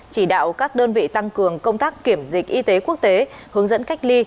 chỉ đạo các đơn vị tăng cường công tác kiểm dịch y tế quốc tế hướng dẫn cách ly